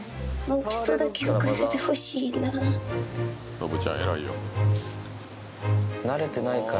信ちゃん偉いよ。